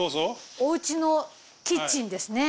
お家のキッチンですね。